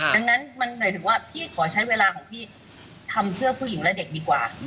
ดังนั้นมันหมายถึงว่าพี่ขอใช้เวลาของพี่ทำเพื่อผู้หญิงและเด็กดีกว่า